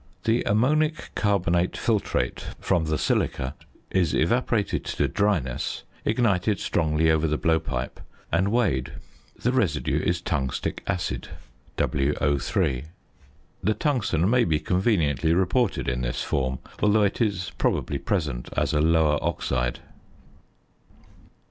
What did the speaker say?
~ The ammonic carbonate filtrate from the silica is evaporated to dryness, ignited strongly over the blowpipe, and weighed. The residue is tungstic acid, WO_. The tungsten may be conveniently reported in this form, although it is probably present as a lower oxide.